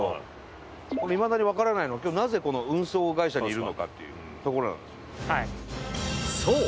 いまだにわからないのが今日なぜこの運送会社にいるのかというところなんですよ。